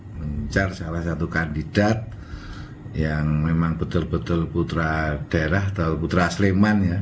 mengejar salah satu kandidat yang memang betul betul putra daerah atau putra sleman ya